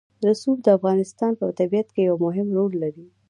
رسوب د افغانستان په طبیعت کې یو مهم رول لري.